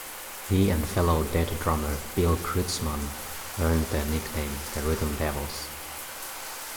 He and fellow Dead drummer Bill Kreutzmann earned the nickname "the rhythm devils".